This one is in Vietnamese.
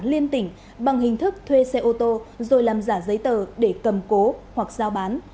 liên tỉnh bằng hình thức thuê xe ô tô rồi làm giả giấy tờ để cầm cố hoặc giao bán